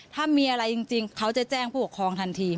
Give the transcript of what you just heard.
ถ้ามีอะไรจริงเขาจะแจ้งผู้ปกครองทันที